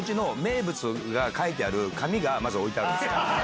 まず置いてあるんですよ。